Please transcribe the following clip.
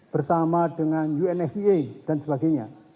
bersama dengan unfa dan sebagainya